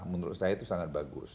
menurut saya itu sangat bagus